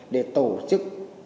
để tổ chức